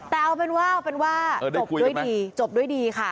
แต่เอาเป็นว่าจบด้วยดีค่ะ